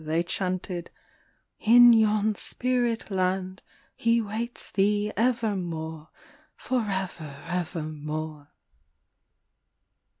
They chanted, " In yon spirit land he waits thee evermore, forever evermore."